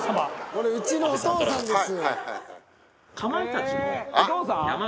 「これうちのお父さんです」